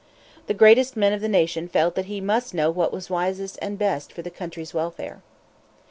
The greatest men of the nation felt that he must know what was wisest and best for the country's welfare.